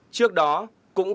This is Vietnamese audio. trước đó cụng phạm